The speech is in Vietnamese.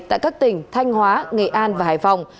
tại các tỉnh thanh hóa nghệ an và hải phòng